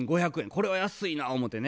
これは安いな思うてね。